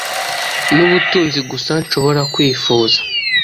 Nubutunzi gusa nshobora kwifuza.